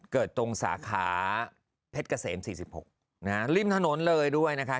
เกิดตรงสาขาเพ็ดเกษมสี่สิบหกนะฮะริ่มถนนเลยด้วยนะคะ